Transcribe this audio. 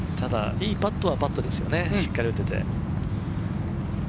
いいパットはパットですよね、しっかり打てて。